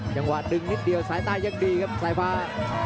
จังหวะดึงนิดเดียวสายตายังดีครับสายฟ้า